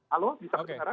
halo bisa berbicara